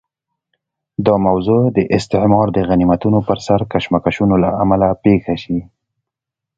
دا موضوع د استعمار د غنیمتونو پر سر کشمکشونو له امله پېښه شي.